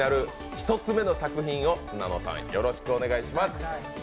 １つ目の作品をよろしくお願いします。